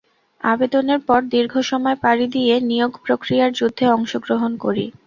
আবেদনের পর দীর্ঘ সময় পাড়ি দিয়ে নিয়োগ প্রক্রিয়ার যুদ্ধে অংশগ্রহণ করি।